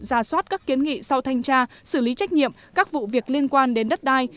ra soát các kiến nghị sau thanh tra xử lý trách nhiệm các vụ việc liên quan đến đất đai